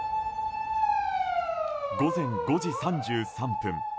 午前５時３３分